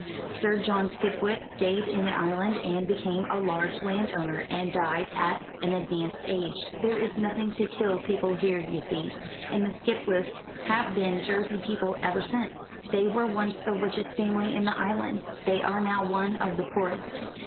Sir John Skipwith stayed in the island and became a large landowner, and died at an advanced age there is nothing to kill people here, you see and the Skipwiths have been Jersey people ever since. They were once the richest family in the island. They are now one of the poorest.